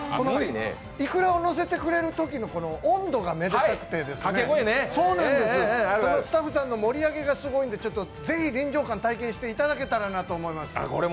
いくらを乗せてくれるときの音頭がめでたくてそのスタッフさんの盛り上げがすごいのでぜひ臨場感を体験していただけたらなと思います。